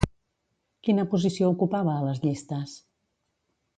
Quina posició ocupava a les llistes?